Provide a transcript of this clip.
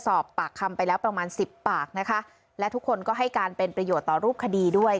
สอบปากคำไปแล้วประมาณสิบปากนะคะและทุกคนก็ให้การเป็นประโยชน์ต่อรูปคดีด้วย